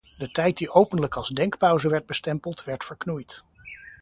De tijd die openlijk als denkpauze werd bestempeld, werd verknoeid.